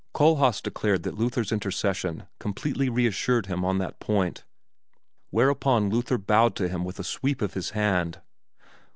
Kohlhaas declared that Luther's intercession completely reassured him on that point, whereupon Luther bowed to him with a sweep of his hand.